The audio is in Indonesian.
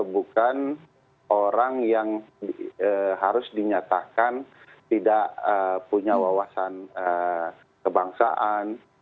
bukan orang yang harus dinyatakan tidak punya wawasan kebangsaan